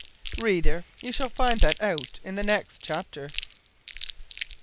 Reader, you shall find that out in the next chapter.